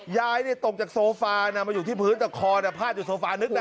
ยายตกจากโซฟานะมาอยู่ที่พื้นแต่คอพาดอยู่โซฟานึกนะ